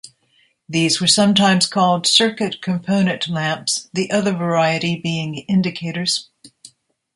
These were sometimes called "circuit-component" lamps, the other variety being indicators.